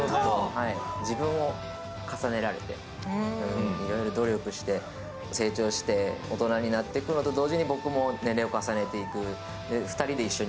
自分を重ねられていろいろ努力して成長して大人になっていくのと同時に僕も年齢を重ねていく。